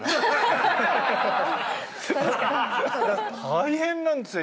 大変なんですよ